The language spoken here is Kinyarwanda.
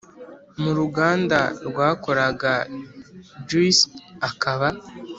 muruganda rwakoraga juice akaba